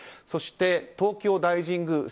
そして東京大神宮